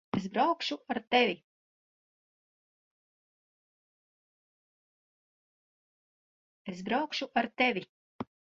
Es braukšu ar tevi.